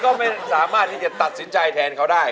ก็ไม่สามารถที่จะตัดสินใจแทนเขาได้